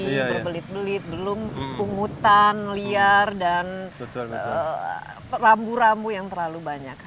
masih berbelit belit belum pungutan liar dan rambu rambu yang terlalu banyak